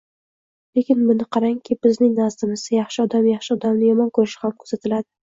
Lekin, buni qarangki, bizning nazdimizda yaxshi odam yaxshi odamni yomon ko‘rishi ham kuzatiladi.